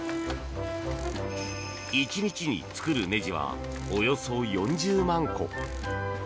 １日に作るねじはおよそ４０万個。